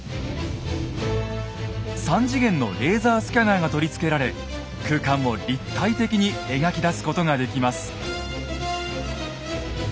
３次元のレーザースキャナーが取り付けられ空間を立体的に描き出すことができます。